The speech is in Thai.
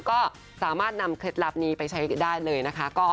ก็สามารถนำเคล็ดลับนี้ไปใช้ได้เลยนะคะ